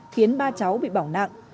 khiến ba cháu bị bỏng nặng